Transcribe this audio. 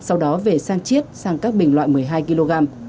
sau đó về sang chiết sang các bình loại một mươi hai kg